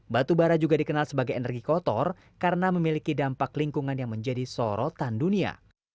batu bara juga dikenal sebagai energi kotor karena memiliki dampak lingkungan yang menjadi sorotan dunia